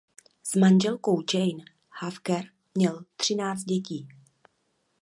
S manželkou Jane Hawker měl třináct dětí.